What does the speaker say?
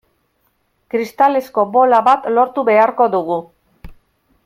Kristalezko bola bat lortu beharko dugu.